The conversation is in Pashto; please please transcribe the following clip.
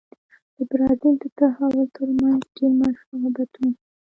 د برازیل د تحول ترمنځ ډېر مشابهتونه شته.